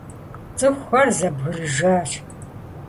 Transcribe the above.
ЦӀыхухэр зэбгрыжащ.